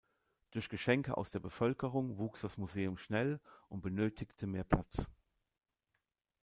Durch Geschenke aus der Bevölkerung wuchs das Museum schnell und benötigte mehr Platz.